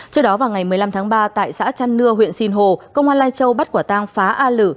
trước đó vào ngày một mươi năm tháng ba tại xã trăn nưa huyện sinh hồ công an lai châu bắt quả tang phá a lử